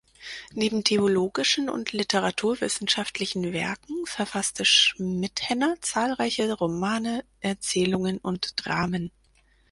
Neben theologischen und literaturwissenschaftlichen Werken verfasste Schmitthenner zahlreiche Romane, Erzählungen und Dramen.